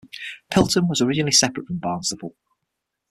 Pilton was originally separate from Barnstaple.